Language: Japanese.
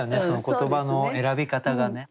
言葉の選び方がね。